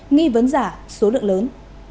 nghi vấn giả số lượng lớn